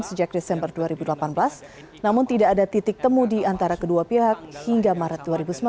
sejak desember dua ribu delapan belas namun tidak ada titik temu di antara kedua pihak hingga maret dua ribu sembilan belas